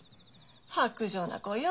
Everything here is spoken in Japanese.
薄情な子よ。